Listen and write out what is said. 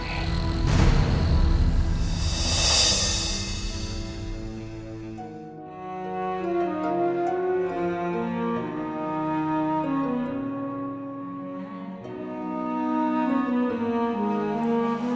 ntar gua penuh